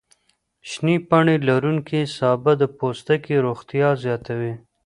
شنې پاڼې لروونکي سابه د پوستکي روغتیا زیاتوي.